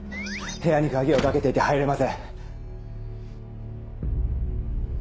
部屋に鍵を掛けていて入れません。